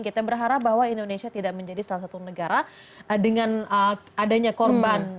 kita berharap bahwa indonesia tidak menjadi salah satu negara dengan adanya korban